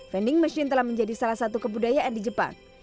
vending machine telah menjadi salah satu kebudayaan di jepang